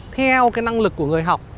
theo cái năng lực của người học